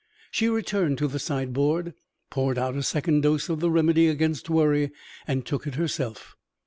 She returned to the sideboard, poured out a second dose of the remedy against worry, and took it herself.